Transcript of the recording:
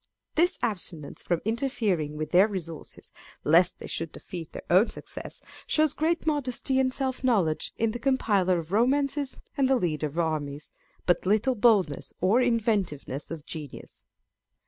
This abstinence from interfering with their resources, lest they should defeat their own success, shows great modesty and self knowledge in the compiler of romances and the leader of armies, but little boldness or inventiveness of genius.